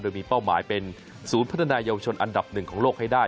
โดยมีเป้าหมายเป็นศูนย์พัฒนายาวชนอันดับหนึ่งของโลกให้ได้